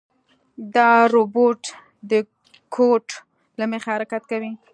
دا روبوټ د کوډ له مخې حرکت کوي.